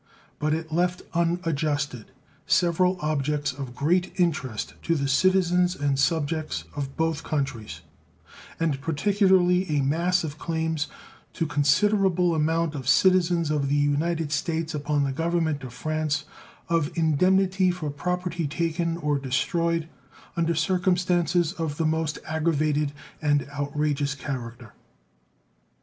But it left unadjusted several objects of great interest to the citizens and subjects of both countries, and particularly a mass of claims to considerable amount of citizens of the United States upon the Government of France of indemnity for property taken or destroyed under circumstances of the most aggravated and outrageous character.